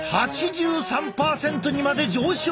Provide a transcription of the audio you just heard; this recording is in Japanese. ８３％にまで上昇！